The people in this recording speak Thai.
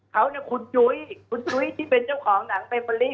เขาเนี่ยคุณจุ้ยคุณจุ้ยที่เป็นเจ้าของหนังเบอรี่